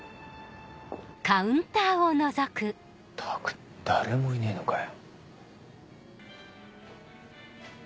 ったく誰もいねえのかよ。